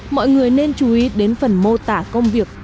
mọi người nên chú ý đến phần mô tả công việc